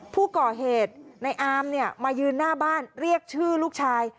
ผู้ก่อเหตุในอามเนี่ยมายืนหน้าบ้านเรียกชื่อลูกชาย